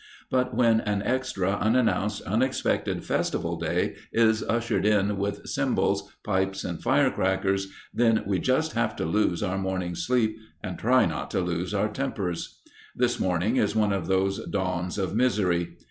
But when an extra, unannounced, unexpected festival day is ushered in with cymbals, pipes, and firecrackers, then we just have to lose our morning sleep and try not to lose our tempers. This morning is one of those dawns of misery.